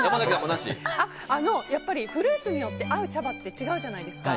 やっぱりフルーツによって合う茶葉って違うじゃないですか。